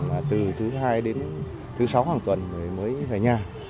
là từ thứ hai đến thứ sáu hàng tuần mới về nhà